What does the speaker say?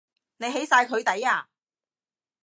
你起晒佢底呀？